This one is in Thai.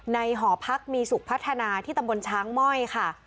หอพักมีสุขพัฒนาที่ตำบลช้างม่อยค่ะ